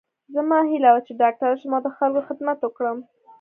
زما هیله وه چې ډاکټره شم او د خلکو خدمت وکړم